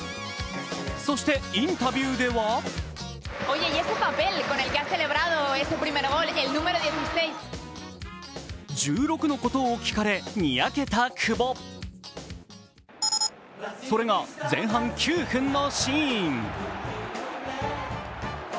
そしてインタビューでは１６のことを聞かれ、にやけた久保。それが前半９分のシーン。